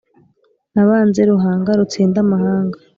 nabanze ruhanga rutsinda amahanga,